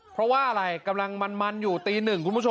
เพราะว่าอะไรกำลังมันอยู่ตีหนึ่ง